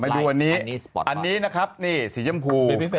ดูอันนี้อันนี้นะครับนี่สีชมพู